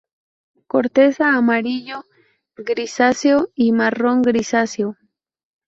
Corteza amarillo grisáceo y marrón grisáceo.